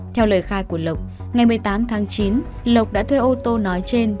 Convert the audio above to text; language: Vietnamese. theo lời khai của lộc ngày một mươi tám tháng chín lộc đã thuê ô tô nói trên